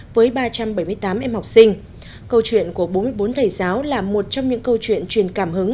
với ba trăm bảy mươi tám em học sinh câu chuyện của bốn mươi bốn thầy giáo là một trong những câu chuyện truyền cảm hứng